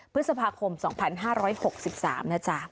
พฤษภาคม๒๕๖๓นะจ๊ะ